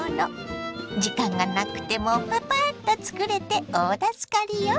時間がなくてもパパッとつくれて大助かりよ。